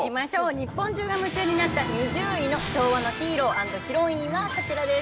日本中が夢中になった２０位の昭和のヒーロー＆ヒロインはこちらです。